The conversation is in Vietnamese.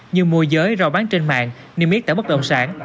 như mua giấy rau bán trên mạng niêm yết tải bất động sản